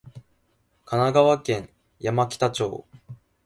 神奈川県山北町